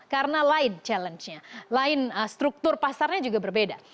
karena lain challenge nya lain struktur pasarnya juga berbeda